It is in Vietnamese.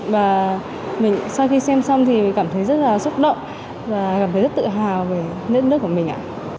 và mình sau khi xem xong thì cảm thấy rất là xúc động và cảm thấy rất tự hào về nơi nước của mình ạ